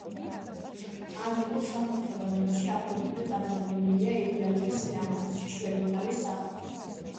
ანტიკურ სახვით ხელოვნებაში აფროდიტე წარმოდგენილია იდეალური სილამაზის შიშველი ქალის სახით.